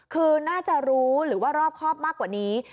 คือน่าจะรู้หรือว่ารอบครอบมากกว่านี้